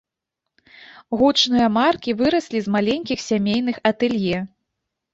Гучныя маркі выраслі з маленькіх сямейных атэлье.